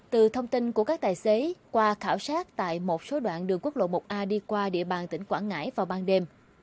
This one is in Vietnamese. từ thông tin của các tài xế qua khảo sát tại một số đoạn đường quốc lộ một a đi qua địa bàn tỉnh quảng ngãi vào ban đêm